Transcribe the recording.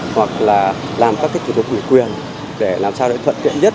hoặc là làm các kết thúc ủy quyền để làm sao để thuận kiện nhất